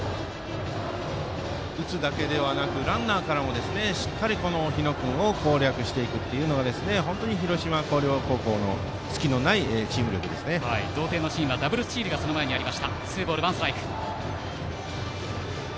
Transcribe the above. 打つだけではなくランナーからもしっかり日野君を攻略していくのは本当に広島・広陵高校の同点のシーンはダブルスチールがその前にありました。